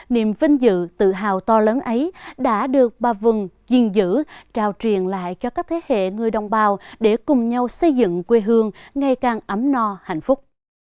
niềm vinh dự tự hào to lớn ấy đã được bà vân duyên giữ trao truyền lại cho các thế hệ người đồng bào để cùng nhau xây dựng quê hương ngày càng ấm no hạnh phúc